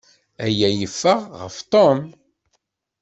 Aya yeffeɣ ɣef Tom.